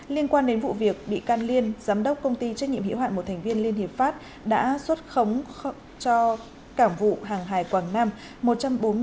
liên quan đến vụ việc bị can liên giám đốc công ty trách nhiệm hiệu hạn một thành viên liên hiệp pháp đã xuất khống cho cảng vụ hàng hải quảng nam